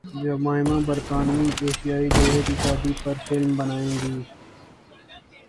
Jemima برطانوی ایشیائی جوڑے کی شادی پر فلم بنائیں گی